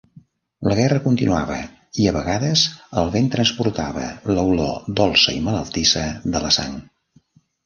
La guerra continuava i, a vegades, el vent transportava l'olor dolça i malaltissa de la sang.